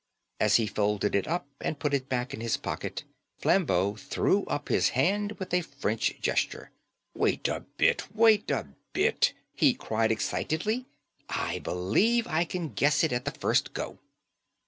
As he folded it up and put it back in his pocket Flambeau threw up his hand with a French gesture. "Wait a bit, wait a bit," he cried excitedly. "I believe I can guess it at the first go."